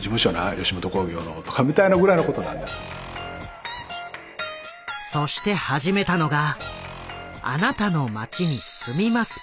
そして始めたのが「あなたの街に住みますプロジェクト」だ。